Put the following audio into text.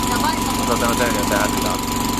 お里の便りも絶え果てた